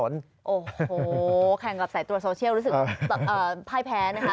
โอ้โหแข่งกับสายตรวจโซเชียลรู้สึกแบบพ่ายแพ้นะคะ